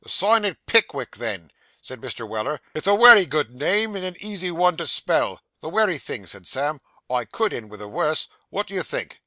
'Sign it "Pickwick," then,' said Mr. Weller; 'it's a wery good name, and a easy one to spell.' The wery thing,' said Sam. 'I _could _end with a werse; what do you think?